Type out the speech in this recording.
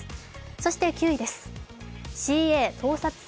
そして９位です。